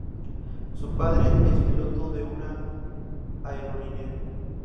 Su padre es piloto de una aerolínea.